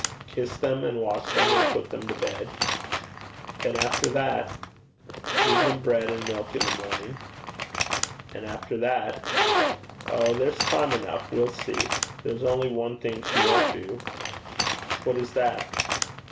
'Kiss them and wash them and put them to bed.' 'And after that?' 'Give them bread and milk in the morning.' 'And after that?' 'Oh! there's time enough. We'll see. There's only one thing she won't do.' 'What is that?'